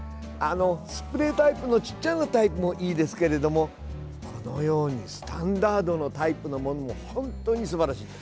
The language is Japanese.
スプレータイプのちっちゃなタイプもいいですけどこのようにスタンダードのタイプのものも本当にすばらしい。